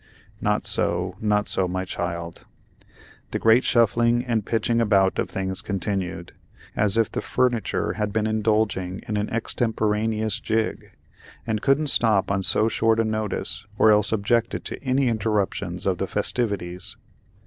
"Not so, not so, my child." The great shuffling and pitching about of things continued, as if the furniture had been indulging in an extemporaneous jig, and couldn't stop on so short a notice, or else objected to any interruption of the festivities.